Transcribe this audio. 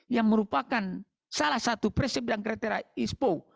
yang merupakan salah satu prinsip dan kriteria ispo